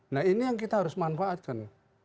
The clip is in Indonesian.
nah ini yang kita harus manfaatkan